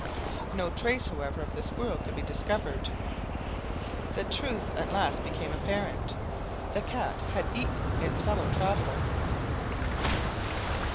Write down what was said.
No trace, however, of the squirrel could be discovered. The truth at last became apparent—the cat had eaten its fellow traveler!